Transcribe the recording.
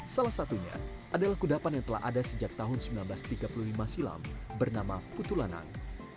salah satunya adalah kudapan yang telah ada sejak tahun seribu sembilan ratus tiga puluh lima silam bernama putulanang